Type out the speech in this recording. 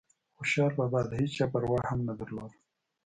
خوشحال بابا دهيچا پروا هم نه درلوده